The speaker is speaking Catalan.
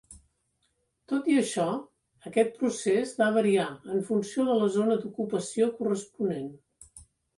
Tot i això, aquest procés va variar en funció de la zona d'ocupació corresponent.